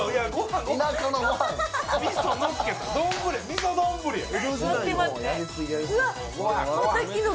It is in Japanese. みそ丼や。